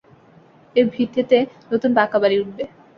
এ ভিটতে নতুন পাকা বাড়ি উঠবে।